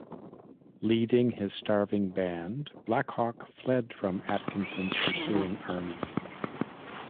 Leading his starving band, Black Hawk fled from Atkinson's pursuing army.